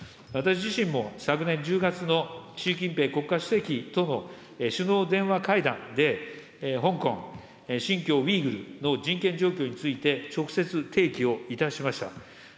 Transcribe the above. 私自身も、昨年１０月の習近平国家主席との首脳電話会談で、香港、新疆ウイグルの人権状況について、直接提起をいたしました。